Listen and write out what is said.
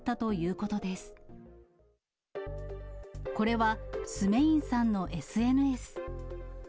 これはスメインさんのＳＮＳ。